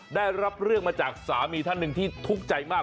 ได้รับเรื่องมาจากสามีท่านหนึ่งที่ทุกข์ใจมาก